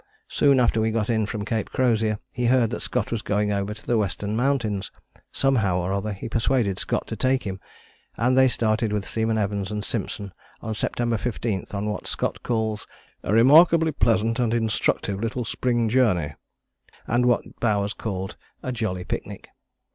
Soon after we got in from Cape Crozier he heard that Scott was going over to the Western Mountains: somehow or other he persuaded Scott to take him, and they started with Seaman Evans and Simpson on September 15 on what Scott calls "a remarkably pleasant and instructive little spring journey," and what Bowers called a jolly picnic.